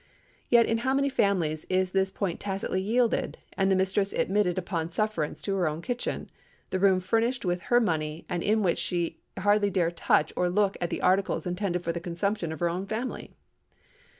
Yet in how many families is this point tacitly yielded, and the mistress admitted upon sufferance to her own kitchen—the room furnished with her money, and in which she hardly dare touch or look at the articles intended for the consumption of her own family?